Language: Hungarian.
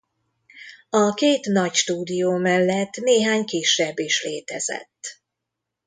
A két nagy stúdió mellett néhány kisebb is létezett.